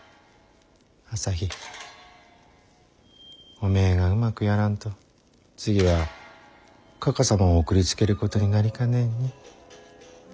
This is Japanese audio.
おめえがうまくやらんと次はかか様を送りつけることになりかねんに。